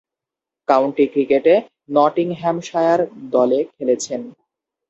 County ক্রিকেটে Nottinghamshire দলে খেলেছেন।